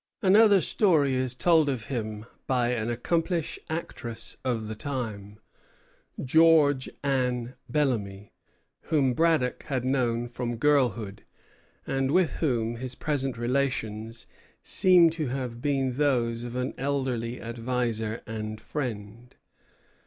Another story is told of him by an accomplished actress of the time, George Anne Bellamy, whom Braddock had known from girlhood, and with whom his present relations seem to have been those of an elderly adviser and friend.